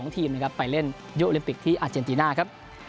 ๒ทีมไปเล่นยูอลิมปิกที่อาเจนตีน่าครับ